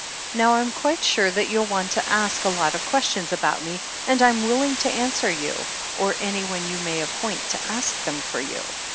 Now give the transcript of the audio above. Now I'm quite aware that you'll want to ask a lot of questions about me, and I'm willing to answer you, or anyone you may appoint to ask them for you.